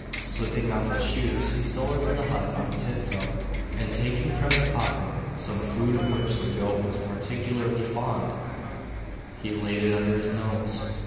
Slipping off his shoes he stole into the hut on tiptoe, and taking from his pocket some food of which the goat was particularly fond, he laid it under his nose.